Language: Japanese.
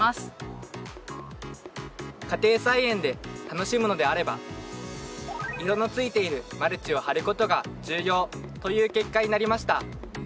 家庭菜園で楽しむのであれば色のついているマルチを張ることが重要という結果になりました。